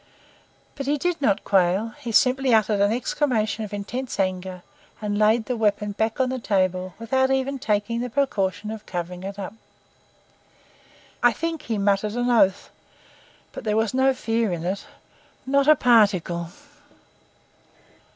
But he did not quail; he simply uttered an exclamation of intense anger, and laid the weapon back on the table without even taking the precaution of covering it up. I think he muttered an oath, but there was no fear in it, not a particle.